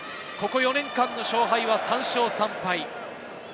４、ここ４年間の勝敗は３勝３敗。